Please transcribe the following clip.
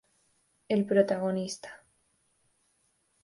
El protagonista.